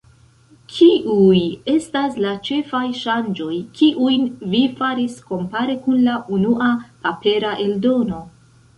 Kiuj estas la ĉefaj ŝanĝoj, kiujn vi faris kompare kun la unua papera eldono?